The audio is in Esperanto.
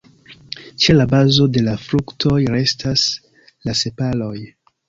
Ĉe la bazo de la fruktoj restas la sepaloj.